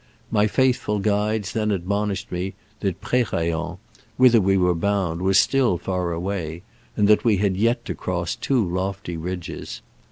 My faithful guides then admonished me that Prerayen, whither we were bound, was still far away, and that we had yet to cross two lofty ridges.